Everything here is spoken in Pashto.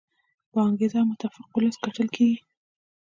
با انګیزه او متفق ولس ګټل کیږي.